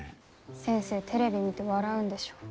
先生テレビ見て笑うんでしょ。